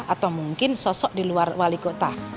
atau mungkin sosok di luar wali kota